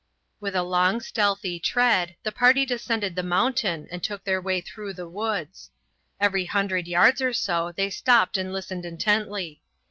With a long stealthy tread the party descended the mountain and took their way through the woods. Every hundred yards or so they stopped and listened intently.